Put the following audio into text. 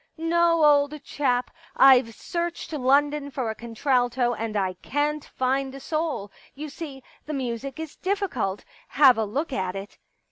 * No, old chap, I've searched London for a contralto and I can't find a soul. You see, the music is difficult ; have a look at it.'